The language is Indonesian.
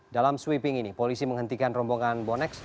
dalam sweeping ini polisi menghentikan rombongan bonek